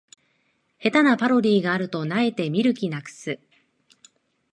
下手なパロディがあると萎えて見る気なくす